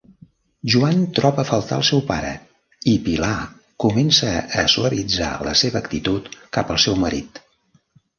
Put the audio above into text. Joan troba a faltar al seu pare i Pilar comença a suavitzar la seva actitud cap al seu marit.